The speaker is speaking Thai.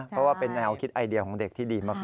เพราะว่าเป็นแนวคิดไอเดียของเด็กที่ดีมาก